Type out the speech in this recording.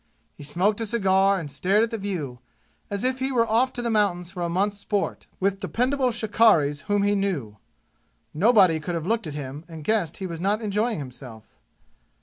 He smoked a cigar and stared at the view, as if he were off to the mountains for a month's sport with dependable shikarris whom he knew. Nobody could have looked at him and guessed he was not enjoying himself.